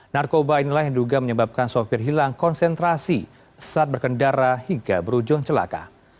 narkoba inilah yang juga menyebabkan sopir hilang konsentrasi saat berkendara hingga berujung celaka